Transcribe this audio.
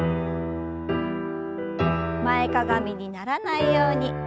前かがみにならないように気を付けて。